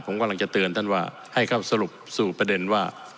ผมกำลังจะเตือนท่านว่าให้เข้าสรุปสู่ประเด็นว่า